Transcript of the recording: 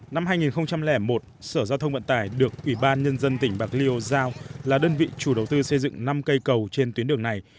năm hai nghìn một sở giao thông vận tải được ủy ban nhân dân tỉnh bạc liêu giao là đơn vị chủ đầu tư xây dựng năm cây cầu trên tuyến đường này